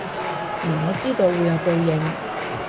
而我知道會有報應